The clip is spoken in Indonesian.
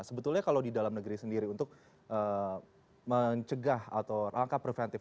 sebetulnya kalau di dalam negeri sendiri untuk mencegah atau langkah preventif